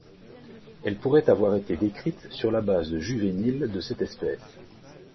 Elle pourrait avoir été décrite sur la base de juvéniles de cette espèce.